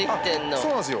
◆そうなんすよ。